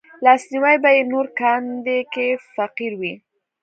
لاسنيوی به يې نور کاندي که فقير وي